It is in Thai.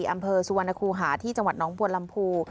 อำเภอสุวรรณคูหาที่จังหวัดน้องบัวลำพู